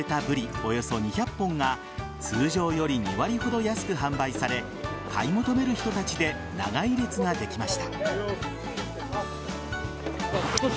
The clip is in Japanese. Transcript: およそ２００本が通常より２割ほど安く販売され買い求める人たちで長い列ができました。